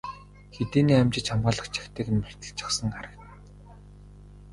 Хэдийнээ амжиж хамгаалах чагтыг нь мулталчихсан харагдана.